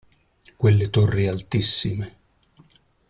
Quelle torri altissime…